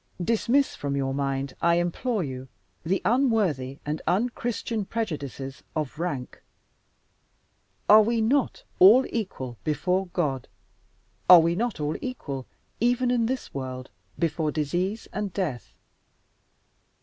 Dismiss from your mind, I implore you, the unworthy and unchristian prejudices of rank. Are we not all equal before God? Are we not all equal (even in this world) before disease and death?